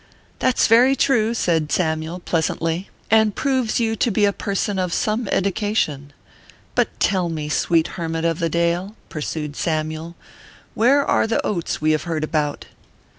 " That s very true," said Samyule, pleasantly, "and 216 ORPHEUS C. KERB PAPERS. proves you to be a person of some eddication. But tell me, sweet hermit of the dale/ pursued Samyule, " where are the oats \ve have heard about